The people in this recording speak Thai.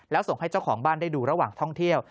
แล้วส่งให้เจ้าของบ้านได้ดูระหว่างท่องเที่ยว